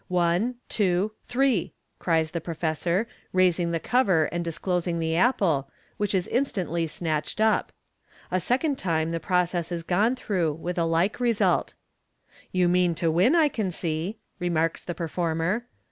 " One, two, three !" cries the professor, raising the cover and disclosing the apple, which is instantly snatched up. A second time the process is gone through, with a like result. " You mean to win, I can see," remarks the performer.